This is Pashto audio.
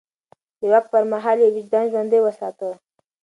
د واک پر مهال يې وجدان ژوندی وساته.